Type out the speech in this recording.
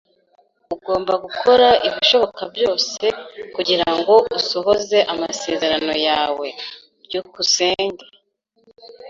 Ugomba gukora ibishoboka byose kugirango usohoze amasezerano yawe. byukusenge